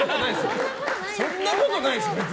そんなことないですよ！